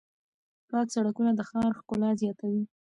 پاک سړکونه د ښار ښکلا زیاتوي.